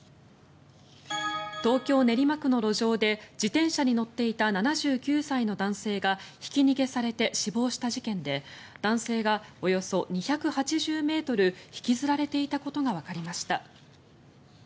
東京・練馬区の路上で自転車に乗っていた７９歳の男性がひき逃げされて死亡した事件で男性がおよそ２８０ｍ引きずられていたことがわかりました。